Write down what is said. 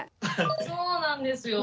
そうなんですよ。